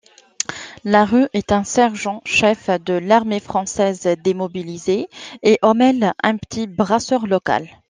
Larue est un sergent-chef de l'armée française démobilisé, et Hommel un petit brasseur local.